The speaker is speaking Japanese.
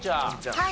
はい。